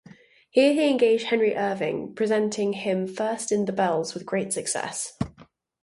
Here he engaged Henry Irving, presenting him first in "The Bells", with great success.